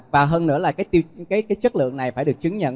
và hơn nữa là cái chất lượng này phải được chứng nhận